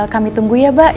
kami tunggu ya mbak